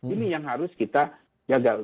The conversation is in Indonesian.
ini yang harus kita gagal